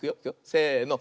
せの。